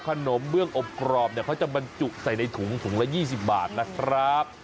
เบื้องอบกรอบเนี่ยเขาจะบรรจุใส่ในถุงถุงละ๒๐บาทนะครับ